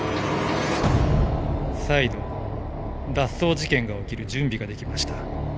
再度脱走事件が起きる準備ができました。